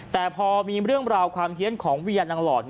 แต่พอมีเรื่องราวความเฮียนของเวียนางหลอด